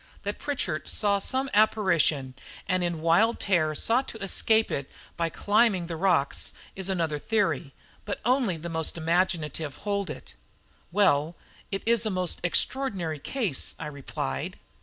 That Pritchard saw some apparition, and in wild terror sought to escape from it by climbing the rocks, is another theory, but only the most imaginative hold it." "Well, it is a most extraordinary case," I replied.